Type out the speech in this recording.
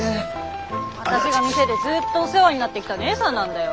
あたしが店でずっとお世話になってきたねえさんなんだよ。